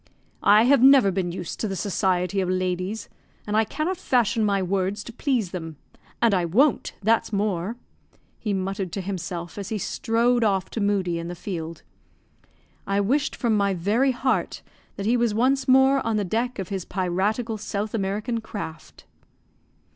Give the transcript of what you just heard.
"I have never been used to the society of ladies, and I cannot fashion my words to please them; and I won't, that's more!" he muttered to himself as he strode off to Moodie in the field. I wished from my very heart that he was once more on the deck of his piratical South American craft.